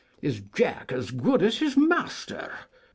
Is Jack as good as his master?